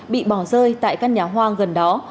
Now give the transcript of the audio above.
bị bỏ rơi tại căn nhà hoang gần đó